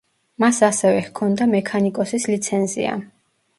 მას ასევე ჰქონდა მექანიკოსის ლიცენზია.